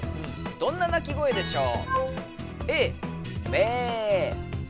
どんな鳴き声でしょう？